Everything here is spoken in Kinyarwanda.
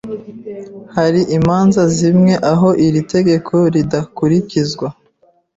Hariho imanza zimwe aho iri tegeko ridakurikizwa.